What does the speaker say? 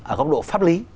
ở góc độ pháp lý